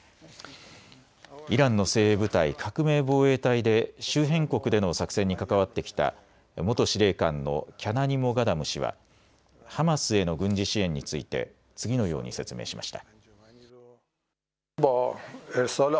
イランの精鋭部隊、革命防衛隊で周辺国での作戦に関わってきた元司令官のキャナニモガダム氏はハマスへの軍事支援について次のように説明しました。